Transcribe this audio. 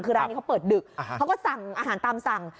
คือร้านนี้เขาเปิดดึกเขาก็สั่งอาหารตามสั่ง